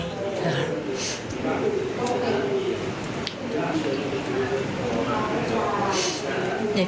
เด็กทุกคนครูก็รักเหมือนลูก